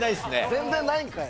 全然ないんかい！